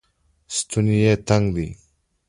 ستونی یې تنګ دی